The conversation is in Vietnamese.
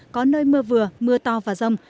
có nơi mưa vừa mưa to và rông